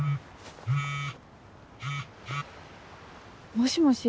もしもし。